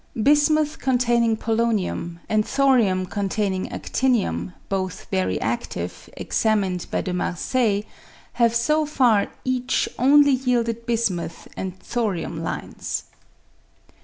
Bismuth containing polonium and thorium containing a(5tinium, both very aftive, examined by Demar9ay, have so far each only yielded bismuth and thorium lines.